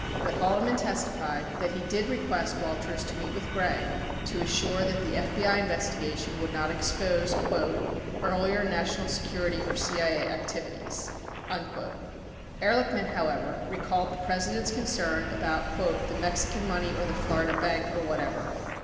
28 But Haldeman testified that he did request Walters to meet with Gray to assure that the FBI investigation would not expose "earlier national security or CIA activities." 29 Ehrlichman, however, recalled the President's concern about "the Mexican money or the Florida bank or whatever